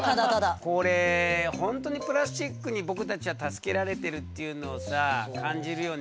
これ本当にプラスチックに僕たちは助けられてるっていうのをさ感じるよね。